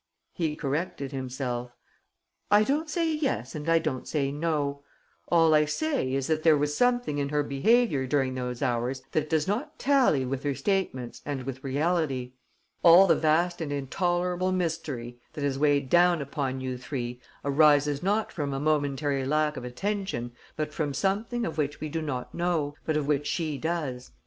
He corrected himself: "I don't say yes and I don't say no. All I say is that there was something in her behaviour during those hours that does not tally with her statements and with reality. All the vast and intolerable mystery that has weighed down upon you three arises not from a momentary lack of attention but from something of which we do not know, but of which she does.